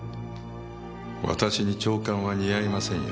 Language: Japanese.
私に長官は似合いませんよ。